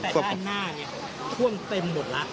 แต่ด้านหน้าเนี่ยท่วงเต็มหมดละ